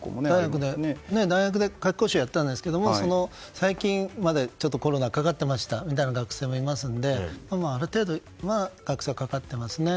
大学で夏期講習をやったんですが最近までコロナかかってましたみたいな学生もいますのである程度、学生はかかっています。